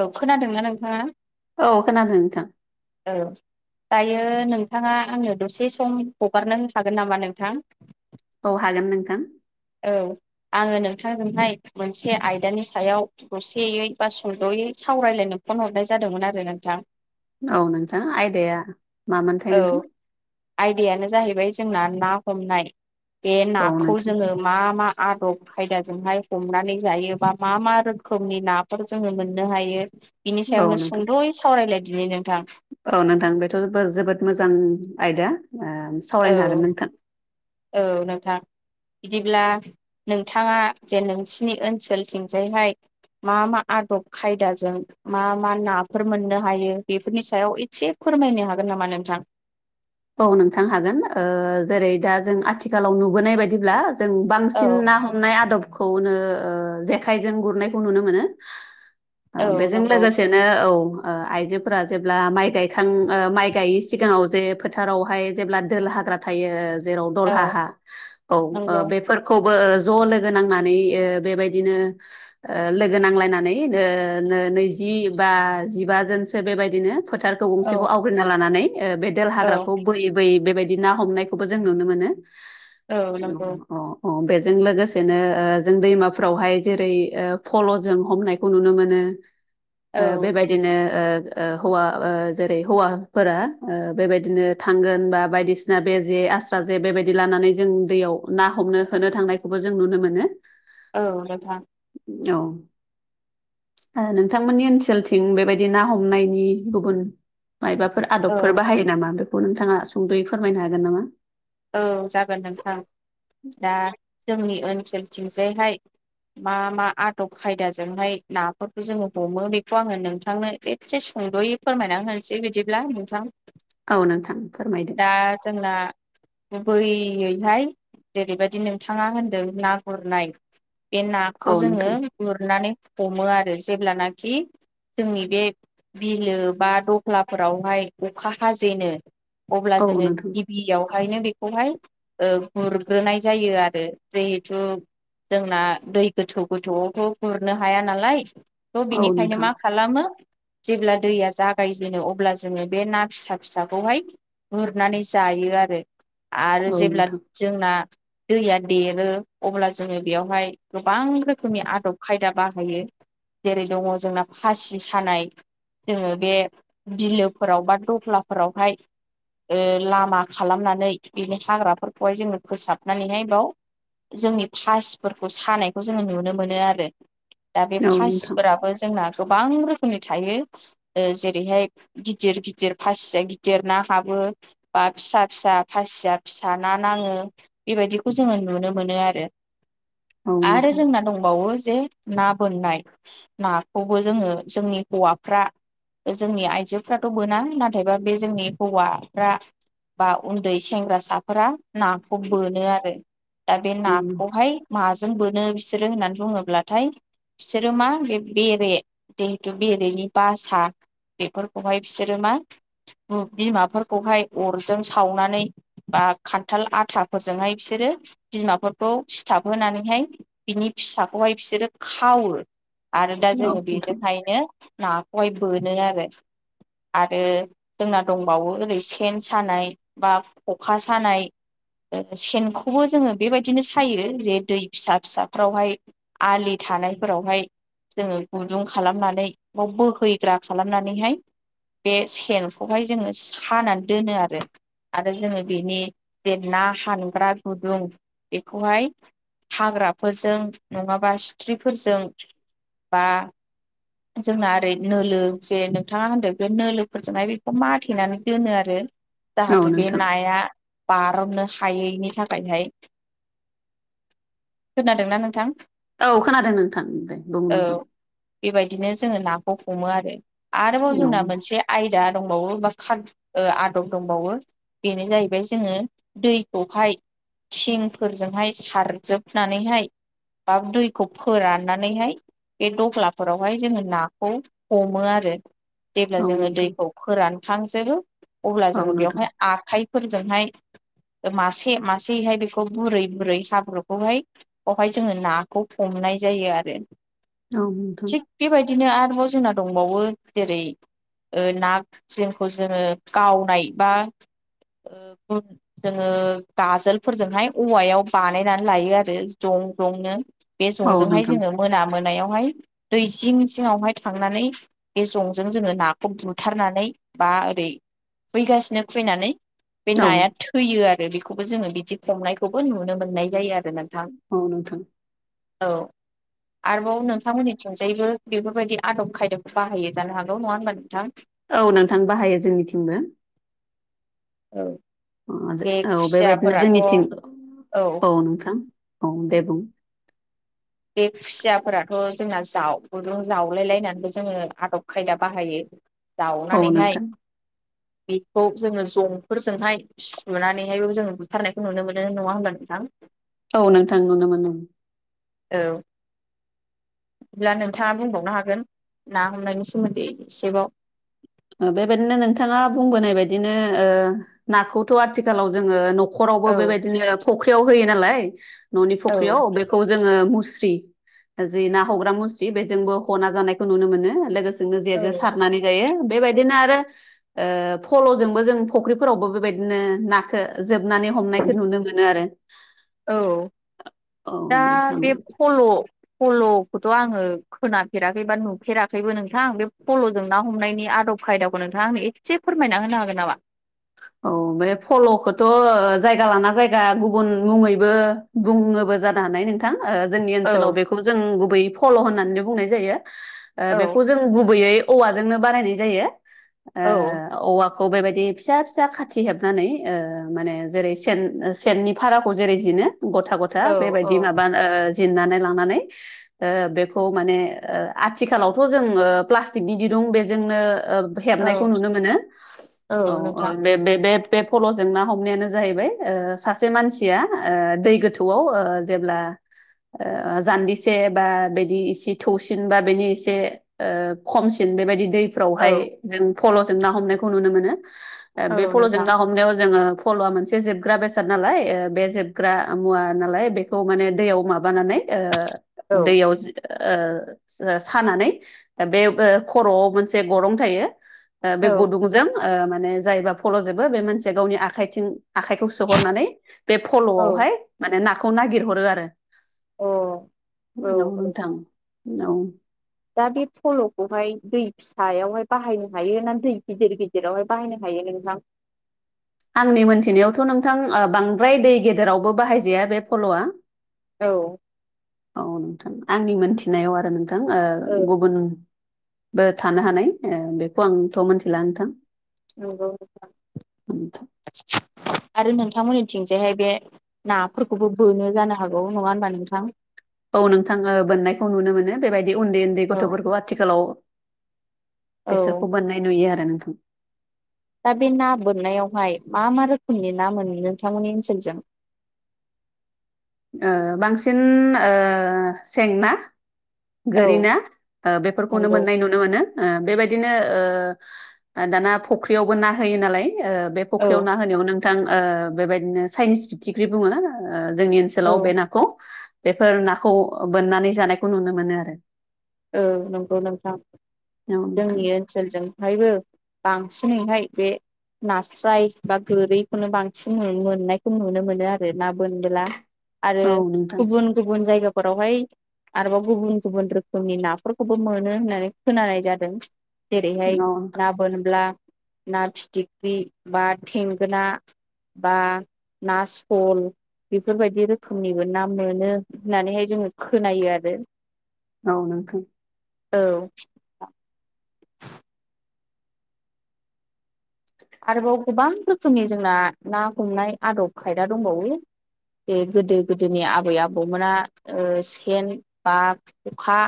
औ खोनादोंना नोंथाङा औ खोनादों नोंथां औ दायो नोंथाङा आङनो दसे सम हगारनो हागोन नामा नोंथां औ हागोन नोंथां औ आङो नोंथांजोंहाय मोनसे आयदानि सायाव खौसेयै बा सुंद'यै सावरायलायनो फन हरनाय जादोंमोन आरो नोंथां औ नोंथाङा आयदाया मामोनथाय औ नोंथां आयदायानो जाहैबाय जोंना ना हमनाय बे औ नाखौ नोंथां जोङो मा मा आदब खायदाजोंहाय हमनानै जायोबा मा मा रोखोमनि नाफोर जोङो मोननो हायो बिनि औ सायावनो नोंथां सुंद'यै सावरायलाय दिनैनो औ नोंथां बेथ' जोबोद मोजां आयदा औ सावरायनो हागोन नोंथां औ नोंथां बिदिब्ला नोंथाङा जे नोंसिनि ओनसोल थिंजायहाय मा मा आदब खायदाजों मा मा नाफोर मोननो हायो बेफोरनि सायाव एसे फोरमायनो हागोन नामा नोंथां औ नोंथां हागोन जेरै दा जों आथिखालाव नुबोनाय बायदिब्ला जों औ बांसिन ना हमनाय आदब खौनो जेखायजों गुरनायखौ नुनो मोनो औ बेजों नंगौ लोगोसेनो औ आइजोफोरा जेब्ला माइ गायखां माइ गायै सिगाङाव जे फोथारावहाय जेब्ला दोल हाग्रा थायो जेराव दलहा औ हा औ नंगौ बेफोरखौ ज लोगो नांनानै बेबायदिनो लोगो नांलायनानै नैजि बा जिबाजोनसो बेबायदिनो फोथारखौ गंसेखौ औ आवग्रिना लानानै बे देल औ हाग्राखौ बोयै बोयै बेबायदि बिदि ना हमनायखौबो जों नुनो मोनो औ नंगौ जों लोगोसेनो जों दैमाफ्रावहाय जेरै फल'जों हमनायखौ नुनो मोनो औ बेबायदिनो हौवा जेरै हौवाफोरा बेबायदिनो थांगोन बा बायदिसिना बे जे आस्रा जे बेबायदि लानानै जों दैयाव ना हमनो होनो थांनायखौबो जों नुनो मोनो औ नोंथां औ नोंथांमोननि ओनसोलथिं बेबायदि ना हमनायनि गुबुन मायबाफोर औ आदबफोर बाहायो नामा बेखौ नोंथाङा सुंद'यै फोरमायनो हागोन नामा औ जागोन नोंथां दा जोंनि ओनसोलथिंजायहाय मा मा आदब खायदाजोंहाय नाफोरखौ जोङो हमो बेखौ आङो नोंथांनो एसे सुंद'यै फोरमायना होनोसै बिदिब्ला नोंथां औ नोंथां फोरमायदो दा जोंना गुबैयैहाय जेरैबायदि नोंथाङा होनदों ना गुरनाय बे नाखौ औ जोङो नोंथां गुरनानै हमो आरो जेब्लानाखि जोंनि बे बिलो बा दफ्लाफोरावहाय अखा हाजेनो अब्ला औ जोङो नोंथां गिबियाव ओयनो बेखौहाय गुरग्रोनाय जायो आरो जिहेथु जोंना दै गोथौ गोथौआवथ' गुरनो हाया नालाय थ' औ बिनिखायनो नोंथां मा खालामो जेब्ला दैया जागायजेनो अब्ला जोङो बे ना फिसा फिसाखौहाय गुरनानै जायो आरो आरो औ जेब्ला नोंथां जोंना दैया देरो अब्ला जोङो बेयावहाय गोबां रोखोमनि आदब खायदा बाहायो जेरै दङ जोंना फासि सानाय जोङो बे बिलोफोराव बा दफ्लाफोरावहाय लामा खालामनानै बिनि हाग्राफोरखौहाय जोङो फोसाबनानैहाय बाव जोंनि फासिफोरखौ सानायखौ जोङो नुनो मोनो आरो दा बे फासिफोराबो जोंना गोबां रोखोमनि थायो ओ जेरैहाय गिदिर गिदिर फासिया गिदिर ना हाबो बा फिसा फिसा फासिया फिसा ना नाङो बेबायदिखौ जोङो नुनो मोनो आरो औ आरो नोंथां औ नोंथां जोंना दंबावो जे ना बोननाय नाखौबो जोङो जोंनि हौवाफ्रा जोंनि आइजोफ्राथ' बोना नाथायबा बे जोंनि हौवाफ्रा बा उन्दै सेंग्रासाफोरा नाखौ बोनो आरो दा बे औ नाखौहाय माजों जों बोनो बिसोरो होननानै बुङोब्लाथाय बिसोरो मा होन बे बेरे जिहेथु बेरेनि बासा बेफोरखौहाय बिसोरो मा बुब बिमाफोरखौहाय अरजों सावनानै बा खान्थाल आथाफोरजोंहाय बिसोरो बिमाफोरखौ सिथाबहोनानै हाय बिनि फिसाखौहाय बिसोरो खावो आरो दा जोङो नोंथां बेजोंहायनो ना खौहाय बोनो आरो आरो जोंना दंबावो ओरै सेन सानाय बा खखा सानाय सेनखौबो जोङो बेबायदिनो सायो जे दै फिसा फिसाफ्रावहाय आलि थानायफोरावहाय जोङो गुदुं खालामनानै बाव बोहैग्रा खालामनानैहाय बे सेनखौहाय जोङो सानानै दोनो आरो आरो जोङो बेनि जे ना हानग्रा गुदुं बेखौहाय हाग्राफोरजों नङाबा सिथ्रिफोरजों बा जोंना ओरै नोलो जे नोंथाङा होनदों बे नोलोफोरजोंहाय बेखौ माथेनानै दोनो आरो औ जाहाथे बे नोंथां नाया बार'ननो हायैनि थाखायहाय खोनादोंना नोंथां औ खोनादों नोंथां दे बुं औ नोंथां बेबायदिनो जोङो नाखौ हमो आरो आरोबाव औ जोंना मोनसे आयदा दंबावो‌ बा खा ओ आदब दंबावो बेनो जाहैबाय जोङो दैखौहाय थिंफोरजोंहाय सारजोबनानैहाय बा दैखौ फोराननानैहाय बे दह्लाफोरावहाय जोङो नाखौ हमो आरो जेब्ला औ जोङो नोंथां दैखौ फोरानखांजोबो अब्ला औ जोङो नोंथां बेवहाय आखाइ फोरजोंहाय मासे मासेहाय बेखौ बुरै बुरै हाब्रुखौहाय बेहाय जोङो नाखौ हम नाय जायो आरो औ नोंथां थिग बेबायदिनो आरो बाव जोंना दंबावो जेरै ओ ना जे खौ जोङो गावनाय बा ओ जोङो गाजोलफोरजोंहाय औवायाव बानायनानै लायो आरो जं नो बे औ जंजोंहाय नोंथां जोङो मोना मोनायावहाय दै जिं जिङावहाय थांनानै बे जंजों जोङो नाखौ बुथारनानै बा ओरै खुबैगासिनो खुबैनानै बे औ नाया थैयो आरो बे खौबो जोङो बिदि हमनायखौबो नुनो मोननाय जायो आरो नोंथां औ नोंथां औ आरोबाव नोंथांमोननिथिं जेबो बेफोरबायदि आदब खायदाखौ बाहायो जानो हागौ नङा होमबा नोंथां औ नोंथां बाहायो जोंनिथिंबो बे औ बेबायदिनो खुसियाफोराथ' औ जोंनिथिं औ नोंथां औ दे बुं बे खुसियाफोराथ' जोंना जाव गुदुं जावलाय लायनानैबो जोङो आदब खायदा बाहायो औ जावनानैहाय नोंथां बेखौ जोङो जंफोरजोंहाय सुनानैहायबो जोङो बुथारनायखौ नुनो मोनो नङा होनब्ला नोंथां औ नोंथां नोनो मोनो औ अब्ला नोंथाङा बुंबावनो हागोन ना हमनायनि सोमोन्दै एसेबाव बेबायदिनो नोंथाङा बुंबोनाय बायदिनो नाखौथ' आथिखालाव जोङो न न'खरावबो औ बेबायदिनो फख्रियाव होयो नालाय न'नि औ फख्रियाव बेखौ जोङो मु मुस्रि जि ना हायग्रा मुस्रि बेजोंबो ना हमना जानायखौ नुनो मोनो लोगोसे जोंनो औ जेजों सारनानै जायो बेबायदिनो आरो फल'जोंबो जों फख्रिफोरावबो बेबायदिनो नाखौ जोबनानै हमनायखौ नुनो मोनो आरो औ औ दा नोंथां बे फल' फल'खौथ' आङो खोनाफेराखै बा नुफेराखैबो नोंथां आ बे फल'जों ना हमनायनि आदब खायदाखौ नोंथाङा आंनो एसे फोरमायना होनो हागोन नामा औ बे फल'खौथ' जायगा लाना जायगा गुबुन मुङैबो बुङोबो जानो हानाय नोंथां जोंनि ओनसोलाव औ बेखौ जों गुबै फल' होननानै बुंनाय जायो औ बेखौ जों गुबैयै औवाजोंनो बानायनाय जायो औ औवाखौ खौ बेबायदि फिसा फिसा फिसा खाथि हेबनानै माने जेरै सेन सेननि भाराखौ जेरै जिनो गथा गथा औ बेबायदि औ माबा जिरन्नानै लानानै बेखौ माने आथिखालावथ' जों प्लास्टिकनि दिदुं बेजोंनो हेबनायखौ औ नुनो मोनो औ बे बे फल'जों ना हमनायानो जाहैबाय सासे मानसिया दै गोथौआव जेब्ला जान्जिसे बा बिदि एसे थौसिन बा बेनि एसे खमसिन बेबायदि दैफ्रावहाय औ जों फल'जों ना हमनायखौ नुनो मोनो औ बे फल'जों नोंथां ना हमनायाव जोङो फल'आ मोनसे जोबग्रा बेसाद नालाय बे जोबग्रा मुवा नालाय बेखौ माने दैयाव माबानानै औ दैयाव सानानै बे खर'आव मोनसे गरं थायो बे औ गुदुंजों माने जायोबा फल'जोबो बे मानसिया गावनि आखाइथिं आखाइखौ सोहरनानै बे औ फल'आवहाय माने नाखौ नागिरहरो आरो अ औ औ नोंथां औ दा बे फल'खौहाय दै फिसायावहाय बाहायनो हायो ना दै गिदिर गिदिरावहाय बाहायनो हायो हायो नोंथां आंनि मोनथिनायावथ' नोंथां बांद्राय दै गेदेरावबो बाहायजाया बे फल'आ औ औ नोंथां आंनि मोनथिनायाव आरो नोंथां औ गुबुन बो थानो हानाय बेखौ आंथ' मिथिला नोंथां औ नोंथां आरो नोंथांमोननिथिंजायहाय बे नाफोरखौबो बोनो जानो हागौ नङा होनबा नोंथां औ नोंथाङो बोननायखौ नुनो मोनो बेबायदि उन्दै उन्दै औ गथ'फोरखौ आथिखालाव औ बेसोरखौ बोननाय नुयो आरो नोंथां दा बे ना बोननायावहाय मा मा रोखोमनि ना मोनो नोंथांमोननि ओनसोलथिं [inaudible] बांसिन सें ना औ गोरिना बेफोरखौनो नंगौ मोननाय नुनो मोनो बेबायदिनो दाना फख्रियावबो ना होयो नालाय बे औ फख्रियाव ना होनायाव नों बिथां बेबायदिनो चाइनिस फिथिख्रि बुङो जोंनि औ ओनसोलाव बे नाखौ बेफोर नाखौ बोननानै जानायखौ नुनो मोनो आरो औ नंगौ नोंथां जोंनि ओनसोलजोंहायबो बांसिनैहाय बे नास्राय बा गोरिखौनो बांसिन मोननायखौ नुनो मोनो आरो ना बोनबोला आरो औ नोंथां गुबुन गुबुन जायगाफोरावहाय आरोबाव गुबुन गुबुन रोखो मनि नाफोरखौबो मोनो होननानै खोनानाय जादों जेरैहाय औ नोंथां ना बोनब्ला ना फिथिख्रि बा थेंगोना बा ना सल बेफोरबायदि रोखोमनिबो ना मोनो होननानैहाय जोङो खोनायो आरो औ नोंथां औ आरोबाव गोबां रोखोमनि जोंना ना हमनाय आदब खायदा दंबावो बे गोदो गोदोनि आबै आबौमोना ओ सेन बा खखा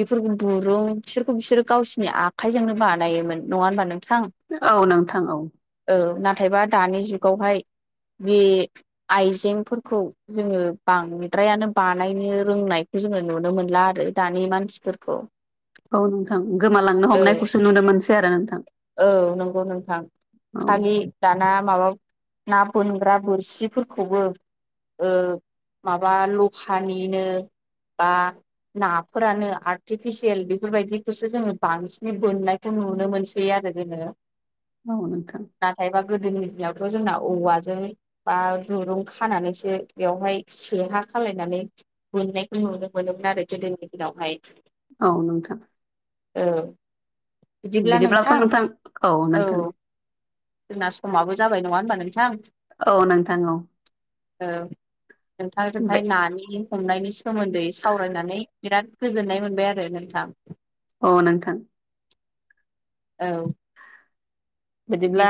बेफोरखौ गुरुं बिसोरखौ बिसोरो गावसिरनि आखाइजोंनो बानायोमोन नङा होनबा नों औ नोंथां औ औ नाथायबा दानि जुगावहाय बे आइजेंफोरखौ जोङो बांद्रायानो बानायनो रोंनाय खौ जोङो नुनो मोनला आरो दानि मानसिफोरखौ औ नोंथां गोमालांनो औ हमनायखौसो नुनो मोनसै आरो नोंथां औ नंगौ नोंथां औ खालि दाना माबा ना बोनग्रा बोरसिफोरखौबो ओ माबा लखानिनो बा नाफोरानो आर्टिफिसियेल बेफोरबायदिखौसो जोङो बांसिनै बोननायखौ नुनो मोनसै आरो जोङो अ नोंथां नाथायबा गोदोनि दिनावथ' जोंना औवाजों बा दुरुं खानानैसो बेवहाय से हा खालायनानै बोननायखौ नुनो मोनोमोन आरो गोदोनि दिनावहाय औ नोंथां औ बिदिब्ला नोंथां बिदिब्लाथ' नोंथां औ नोंथां जोंना समाबो जाबाय नङा होनबा नोंथां औ नोंथां औ औ बे नोंथांजोंहाय नानि बिदि हमनायनि सोमोन्दै सावरायनानै बिराद गोजोननाय मोनबाय आरो नोंथां अ नोंथां औ बिदिब्ला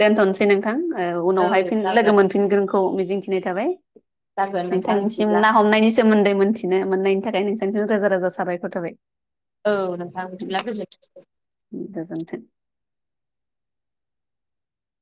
दोनथ'नोसै नोंथां ओ औ उनावहाय फिन लोगो जागोन मोनफिनगोन खौ मिजिंथिनाय थाबाय जागोन नोंथां नोंथांनिसिम बिदिब्ला ना हमनायनि सोमोन्दै मोनथिनो मोननायनि थाखाय नोंसा रोजा राजा साबायखर थाबाय औ नोंथां बिदिब्ला गोजोनथोंसै गोजोन्थों